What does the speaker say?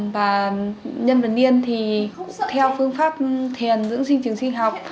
và nhân viên niên thì theo phương pháp thiền dưỡng sinh trường sinh học